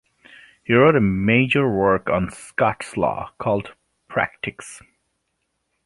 He wrote a major work on Scots law, called "Practicks".